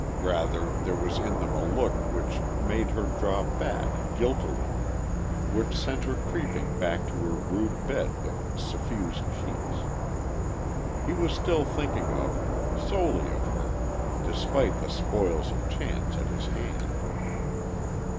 Rather, there was in them a look which made her draw back guiltily; which sent her creeping back to her rude bed with suffused cheeks. He was still thinking of her, solely of her, despite the spoils of chance at his hand....